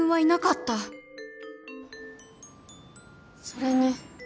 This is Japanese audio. それに。